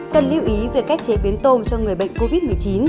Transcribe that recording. cần lưu ý về cách chế biến tôm cho người bệnh covid một mươi chín